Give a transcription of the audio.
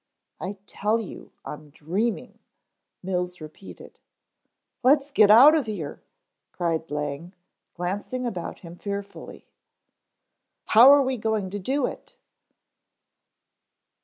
"I tell you I'm dreaming," Mills repeated. "Let's get out of here," cried Lang, glancing about him fearfully. "How are we going to do it?"